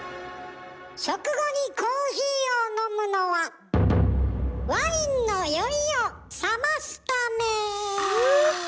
食後にコーヒーを飲むのはワインの酔いをさますため。